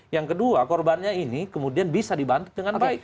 yang kedua korbannya ini kemudian bisa dibantu dengan baik